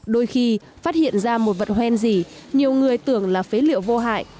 đôi khi phát hiện ra một vật hoen gì nhiều người tưởng là phế liệu vô hại